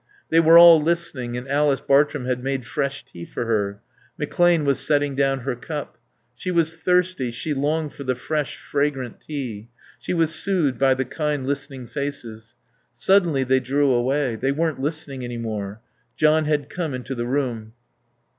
They were all listening, and Alice Bartrum had made fresh tea for her; McClane was setting down her cup. She was thirsty; she longed for the fresh, fragrant tea; she was soothed by the kind, listening faces. Suddenly they drew away; they weren't listening any more. John had come into the room.